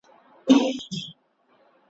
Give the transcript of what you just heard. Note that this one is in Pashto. پر قدم د پخوانیو اوسنی پکښی پیدا کړي `